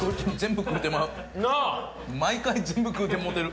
毎回全部食うてもうてる。